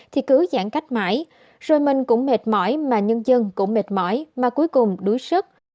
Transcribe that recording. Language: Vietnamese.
thì cứ giãn cách mãi rồi mình cũng mệt mỏi mà nhân dân cũng mệt mỏi mà cuối cùng đuối sức